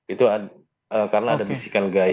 itu karena ada misikan gai